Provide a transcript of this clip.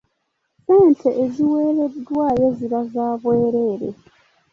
Ssente eziweereddwayo ziba za bwereere.